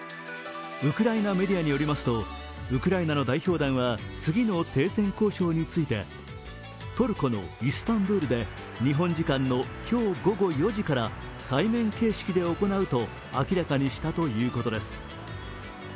ウクライナメディアによりますと、ウクライナの代表団は次の停戦交渉についてトルコのイスタンブールで日本時間の今日午後４時から対面形式で行うと明らかにしたということです。